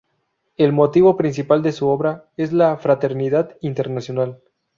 El motivo principal de su obra es la fraternidad internacional.